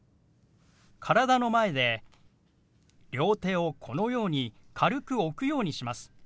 体の前で両手をこのように軽く置くようにします。